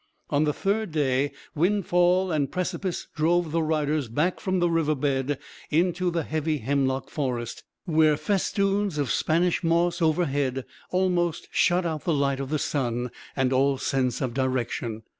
On the third day windfall and precipice drove the riders back from the river bed into the heavy hemlock forest, where festoons of Spanish moss overhead almost shut out the light of the sun and all sense of direction.